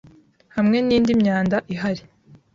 hamwe n'indi myanda ihari